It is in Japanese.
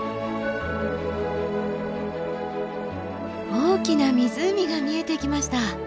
大きな湖が見えてきました。